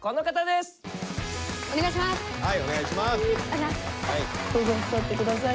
かわいいどうぞ座ってください。